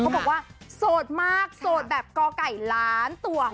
เค้าบอกว่าโสดมากโสดแบบกลอก่ายล้านต่วง